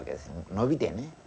伸びてね。